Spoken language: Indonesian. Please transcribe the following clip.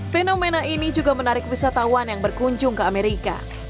fenomena ini juga menarik wisatawan yang berkunjung ke amerika